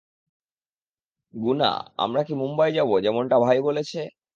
গুনা, আমরা কি মুম্বাই যাব যেমনটা ভাই বলেছে?